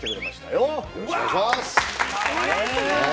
よろしくお願いします